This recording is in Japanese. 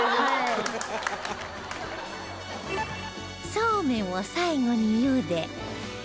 そうめんを最後に茹で